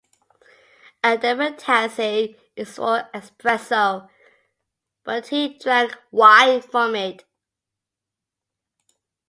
A demitasse is for espresso, but he drank wine from it.